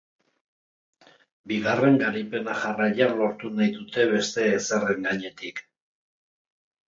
Bigarren garaipena jarraian lortu nahi dute beste ezerren gainetik.